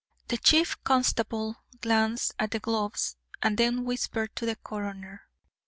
The Chief Constable glanced at the gloves and then whispered to the coroner.